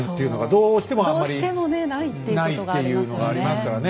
どうしてもねないっていうことがありますよね。